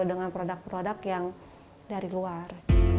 dengan produk produk yang dari luar